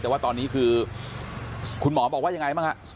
แต่ว่าตอนนี้คือคุณหมอบอกว่ายังไงบ้างฮะ